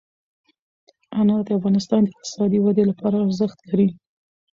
انار د افغانستان د اقتصادي ودې لپاره ارزښت لري.